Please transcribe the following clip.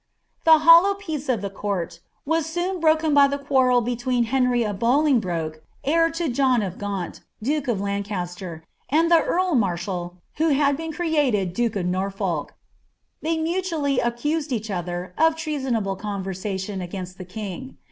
The hollow peace of the courl was soon broken by the quarrel ( twecii Henry of Boling broke, heir lo John of Gaunt, duke of Lancn^lfl miul tlie earl marahal, who had been created duke of Norfolk. "" tntituAily accused each other of treasonable conversation agninst C king.